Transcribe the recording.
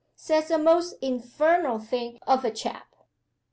Says a most infernal thing of a chap.